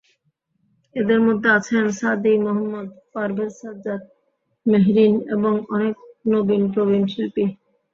এঁদের মধ্যে আছেন সাদি মহম্মদ, পারভেজ সাজ্জাদ, মেহরীন এবং অনেক নবীন-প্রবীণ শিল্পী।